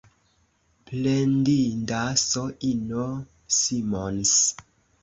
Plendinda S-ino Simons!